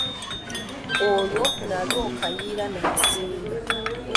Olwo nalwo Kayiira n'asinga.